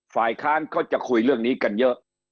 ฝ่ายค้านเขาจะคุยเรื่องนี้กันเยอะ